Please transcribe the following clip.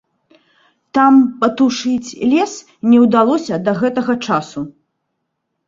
Там патушыць лес не ўдалося да гэтага часу.